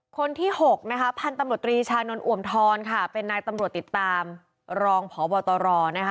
คนที่๖พันธ์ตำรวจริชานนท์อว่มทรเป็นนายตำรวจติดตามรองภบตร